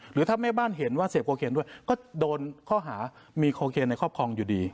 หรือถ้าแม่บ้านเห็นว่าเสพโคเคนด้วยก็โดนข้อหามีโคเคนในครอบครองอยู่ดี